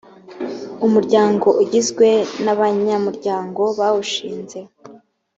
umuryango ugizwe n abanyamuryango bawushinze